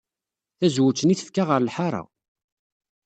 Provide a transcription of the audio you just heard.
Tazewwut-nni tefka ɣer lḥaṛa.